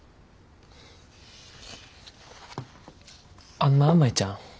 あんな舞ちゃん。